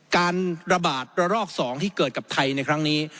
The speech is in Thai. การระบาดระลอก๒ที่เกิดกับไทยในครั้งนี้